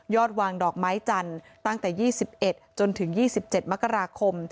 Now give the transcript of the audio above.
วางดอกไม้จันทร์ตั้งแต่๒๑จนถึง๒๗มกราคม